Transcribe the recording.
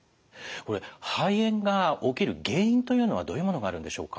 肺炎が起きる原因というのはどういうものがあるんでしょうか？